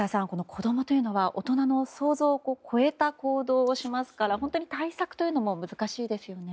子供というのは大人の想像を超えた行動をしますから本当に対策というのは難しいですね。